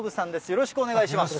よろしくお願いします。